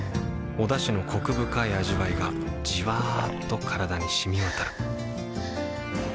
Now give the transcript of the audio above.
おだしのコク深い味わいがじわっと体に染み渡るはぁ。